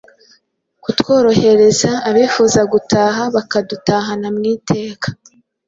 kutworohereza abifuza gutaha, bakadutahana mu iteka.